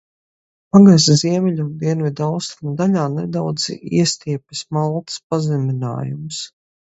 Pagasta ziemeļu un dienvidaustrumu daļā nedaudz iestiepjas Maltas pazeminājums.